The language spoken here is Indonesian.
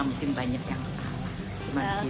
mungkin banyak yang salah cuma